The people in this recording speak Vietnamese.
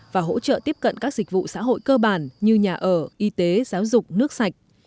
và hỗ trợ tiếp cận các dịch vụ xã hội cơ bản như nhà ở y tế giáo dục nước sạch